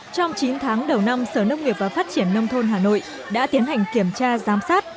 trong chín tháng đầu năm sở nông nghiệp và phát triển nông thôn hà nội đã tiến hành kiểm tra giám sát